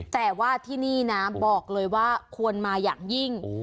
แต่ว่าที่นี่นะบอกเลยว่าควรมาอย่างยิ่ง